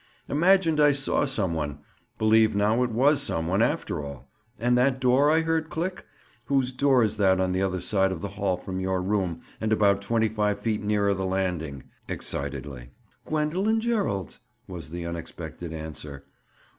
Imagined I saw some one! Believe now it was some one, after all. And that door I heard click? Whose door is that on the other side of the hall from your room and about twenty five feet nearer the landing?" Excitedly. "Gwendoline Gerald's," was the unexpected answer.